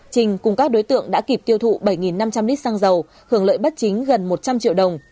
trình cùng các đối tượng đã kịp tiêu thụ bảy năm trăm linh lít xăng dầu hưởng lợi bất chính gần một trăm linh triệu đồng